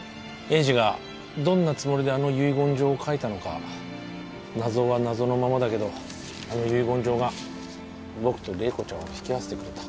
栄治がどんなつもりであの遺言状を書いたのか謎は謎のままだけどあの遺言状が僕と麗子ちゃんを引き合わせてくれた。